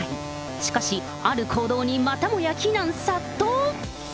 しかし、ある行動にまたもや非難殺到。